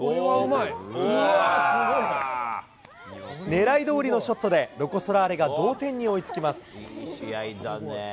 ねらいどおりのショットで、ロコ・ソラーレが同点に追いつきます。